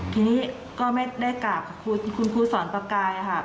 ทีนี้ก็ไม่ได้กราบคุณครูสอนประกายค่ะ